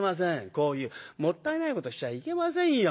こういうもったいないことしちゃいけませんよ。